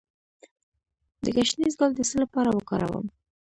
د ګشنیز ګل د څه لپاره وکاروم؟